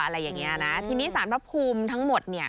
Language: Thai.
ทีนี้สารภาพภูมิทั้งหมด